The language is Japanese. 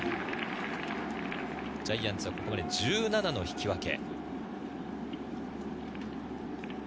ジャイアンツはここまで１７の引き分け。